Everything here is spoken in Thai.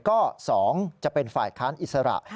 ก็๒จะเป็นฝ่ายค้านอิสระ